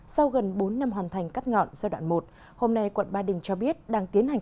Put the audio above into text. sau gần bốn năm hoàn thành cắt ngọn giai đoạn một hôm nay quận ba đình cho biết đang tiến hành